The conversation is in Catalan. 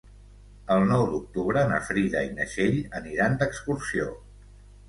El nou d'octubre na Frida i na Txell aniran d'excursió.